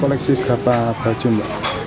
koneksi berapa baju mbak